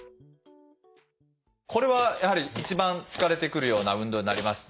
これはやはり一番疲れてくるような運動になります。